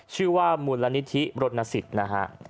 ชื่อว่ามูลนิธิรณสิทธิ์นะฮะ